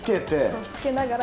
そうつけながら。